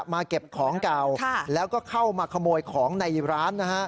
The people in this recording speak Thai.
เก็บของเก่าแล้วก็เข้ามาขโมยของในร้าน